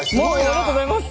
ありがとうございます。